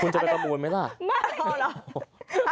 คุณจะไปประมูลไหมล่ะ